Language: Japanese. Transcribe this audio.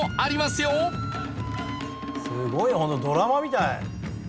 すごい！ホントドラマみたい！